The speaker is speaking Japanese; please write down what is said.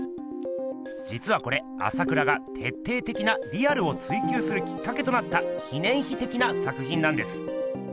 じつはこれ朝倉が徹底的なリアルを追求するきっかけとなった記念碑的な作品なんです。